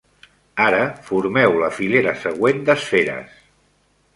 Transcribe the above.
Ara, formeu la filera següent d'esferes.